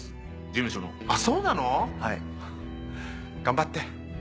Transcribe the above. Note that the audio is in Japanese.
頑張って。